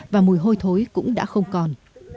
và mùi hôi thối cũng đã không còn